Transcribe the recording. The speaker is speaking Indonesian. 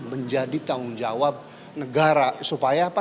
menjadi tanggung jawab negara supaya apa